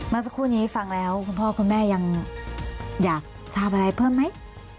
เมื่อสักครู่นี้ฟังแล้วคุณพ่อคุณแม่ยังอยากทราบอะไรเพิ่มไหม